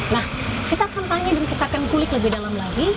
nah kita akan tanya dan kita akan kulik lebih dalam lagi